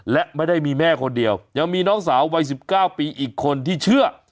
และไม่ได้มีแม่คนเดียวยังมีน้องสาววัย๑๙ปีอีกคนที่เชื่อ